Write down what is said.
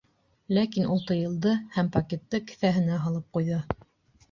Ләкин ул тыйылды һәм пакетты кеҫәһенә һалып ҡуйҙы.